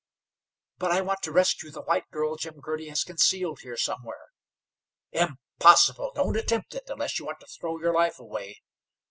"But I want to rescue the white girl Jim Girty has concealed here somewhere." "Impossible! Don't attempt it unless you want to throw your life away.